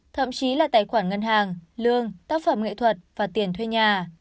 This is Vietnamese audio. thậm chí là tài khoản ngân hàng lương tác phẩm nghệ thuật và tiền thuê nhà